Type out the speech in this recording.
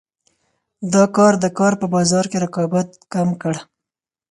دا کار د کار په بازار کې رقابت کم کړ.